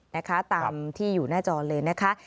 ๐๒๐๑๘๘๔๘๓๘๗๗นะคะตามที่อยู่หน้าจอเลยนะคะ